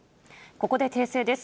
ここで訂正です。